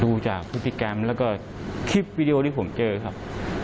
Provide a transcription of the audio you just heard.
ดูจากพฤติกรรมแล้วก็คลิปวิดีโอที่ผมเจอครับ